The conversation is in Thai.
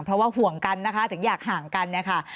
เพราะว่าห่วงกันนะคะถึงอยากห่างกันเนี่ยค่ะ